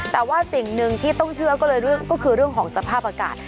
แต่ว่าสิ่งหนึ่งที่ต้องเชื่อก็เลยก็คือเรื่องของสภาพอากาศ